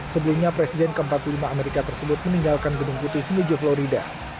sebelumnya presiden ke empat puluh lima amerika tersebut meninggalkan gedung putih menuju florida